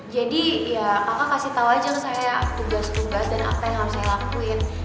jadi ya kakak kasih tau aja sama saya tugas tugas dan apa yang harus saya lakuin